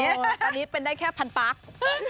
ตอนนี้เป็นได้แค่พันปั๊ก